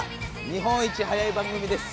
日本一早い番組です！